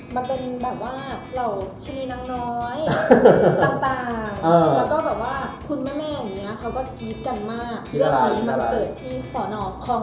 มันเป็นแบบว่าเหล่าชีวิตน้องน้อย